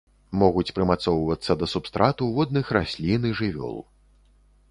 Могуць прымацоўвацца да субстрату, водных раслін і жывёл.